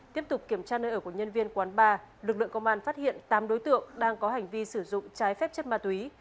tiếp tục kiểm tra nơi ở của nhân viên quán ba lực lượng công an phát hiện tám đối tượng đang có hành vi sử dụng trái phép chất ma túy